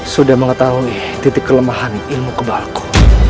sudah mengetahui titik kelemahan ilmu kebalku